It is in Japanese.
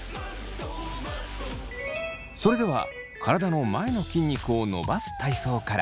それでは体の前の筋肉を伸ばす体操から。